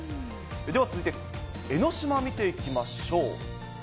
では続いて、江の島見ていきましょう。